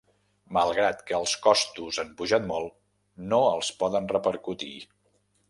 Malgrat que els costos han pujat molt, no els poden repercutir.